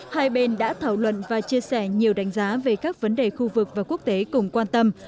hai bên đã thảo luận và chia sẻ nhiều đánh giá về các vấn đề khu vực và quốc tế cùng quan tâm